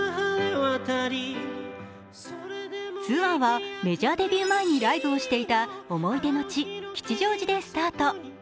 ツアーはメジャーデビュー前にライブをしていた思い出の地、吉祥寺でスタート。